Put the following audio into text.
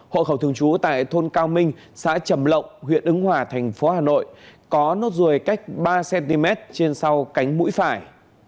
hộ khẩu thường trú tại thôn cao minh xã trầm lộng huyện ứng hòa thành phố hà nội có nốt ruồi cách ba cm trên sau cánh mũi phải